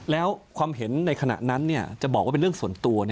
แล้วความเห็นในขณะนั้นจะบอกว่าเป็นเรื่องส่วนตัว